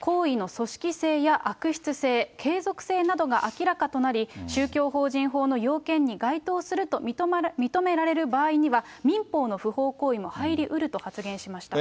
行為の組織性や悪質性、継続性などが明らかとなり、宗教法人法の要件に該当すると認められる場合には、民法の不法行為も入りうると発言しました。